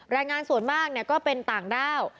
แรงงานส่วนมากก็เป็นต่างด้าว